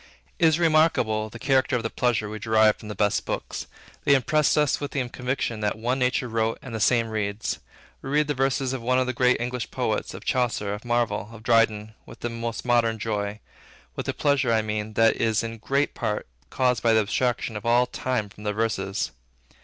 It is remarkable, the character of the pleasure we derive from the best books. They impress us with the conviction, that one nature wrote and the same reads. We read the verses of one of the great English poets, of Chaucer, of Marvell, of Dryden, with the most modern joy, with a pleasure, I mean, which is in great part caused by the abstraction of all time from their verses.